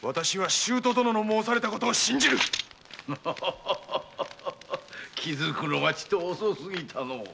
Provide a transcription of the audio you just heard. ハハハ気づくのがちと遅すぎたのう。